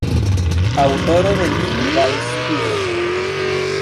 Aŭtoro de lingvaj studoj.